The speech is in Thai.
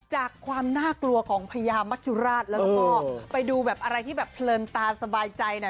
จากความน่ากลัวของพญามัจจุราชแล้วก็ไปดูแบบอะไรที่แบบเพลินตาสบายใจหน่อย